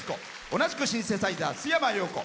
同じくシンセサイザー、須山陽子。